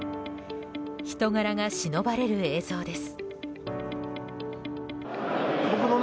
人柄がしのばれる映像です。